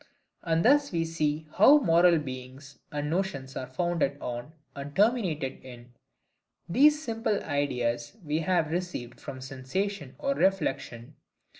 And thus we see how moral beings and notions are founded on, and terminated in, these simple ideas we have received from sensation or reflection.